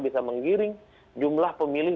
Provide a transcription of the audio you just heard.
bisa menggiring jumlah pemilih